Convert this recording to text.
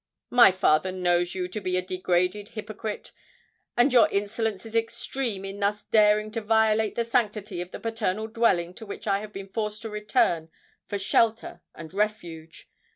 "My father knows you to be a degraded hypocrite—and your insolence is extreme in thus daring to violate the sanctity of the paternal dwelling to which I have been forced to return for shelter and refuge.